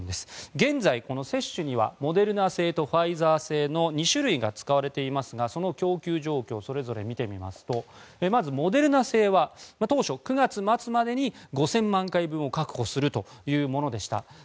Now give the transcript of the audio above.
現在、接種にはモデルナ製とファイザー製の２種類が使われていますがその供給状況それぞれ見てみますとまず、モデルナ製は当初、９月末までに５０００万回分を確保するというものでした。